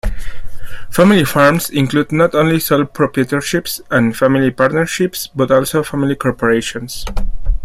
Family farms include not only sole proprietorships and family partnerships, but also family corporations.